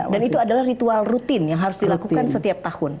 dan itu adalah ritual rutin yang harus dilakukan setiap tahun